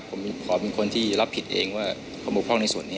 ผมขอเป็นคนที่รับผิดเองว่าเขาบกพร่องในส่วนนี้